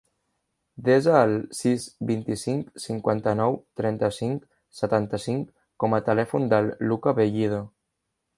Desa el sis, vint-i-cinc, cinquanta-nou, trenta-cinc, setanta-cinc com a telèfon del Lucca Bellido.